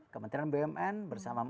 kementerian bumn bersama